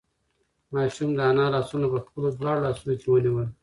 ماشوم د انا لاسونه په خپلو دواړو لاسو کې ونیول.